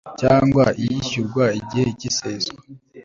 cyangwa iyishyurwa igihe cy iseswa